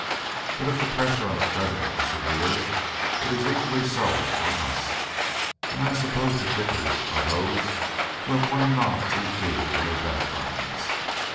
But if the pressure on the President is severe, it is equally so on us, and I suppose the 'kickers' are those who have one knob too few in their backbones.